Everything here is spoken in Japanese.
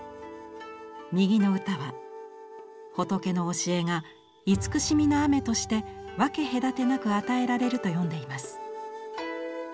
右の歌は「仏の教えが慈しみの雨として分け隔てなく与えられる」と詠んでいます。